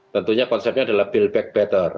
tentunya konsepnya adalah build back better